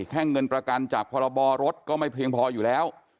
เงินประกันจากพรบรถก็ไม่เพียงพออยู่แล้ว